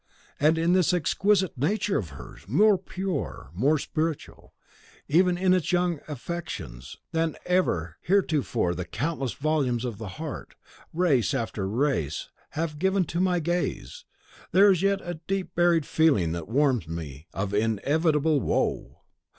And in this exquisite nature of hers, more pure, more spiritual, even in its young affections than ever heretofore the countless volumes of the heart, race after race, have given to my gaze: there is yet a deep buried feeling that warns me of inevitable woe.